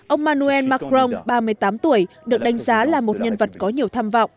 ông manuel macron ba mươi tám tuổi được đánh giá là một nhân vật có nhiều tham vọng